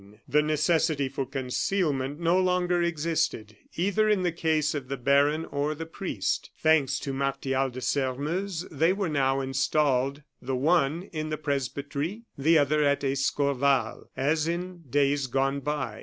The necessity for concealment no longer existed, either in the case of the baron or the priest. Thanks to Martial de Sairmeuse they were now installed, the one in the presbytery, the other at Escorval, as in days gone by.